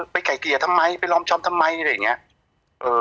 ไก่เกลี่ยทำไมไปลอมช้อมทำไมอะไรอย่างนี้